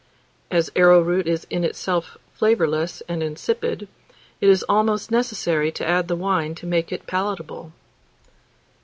As arrowroot is in itself flavourless and insipid, it is almost necessary to add the wine to make it palatable.